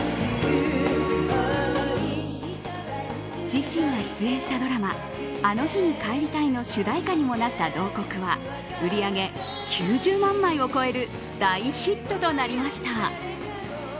自身が出演したドラマ「あの日に帰りたい」の主題歌にもなった「慟哭」は売り上げ９０万枚を超える大ヒットとなりました。